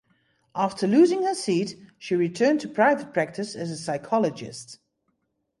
After losing her seat, she returned to private practice as a psychologist.